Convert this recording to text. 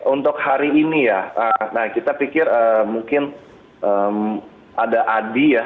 untuk hari ini ya nah kita pikir mungkin ada adi ya